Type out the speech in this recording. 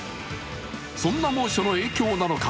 そんな猛暑の影響なのか